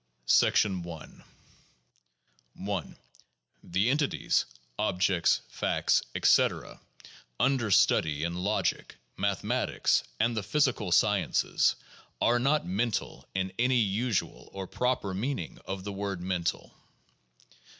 I 1. The entities (objects, facts, et ccet.) under study in logic, mathematics, and the physical sciences are not mental in any usual or proper meaning of the word "mental."